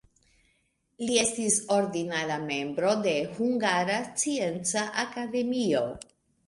Li estis ordinara membro de Hungara Scienca Akademio.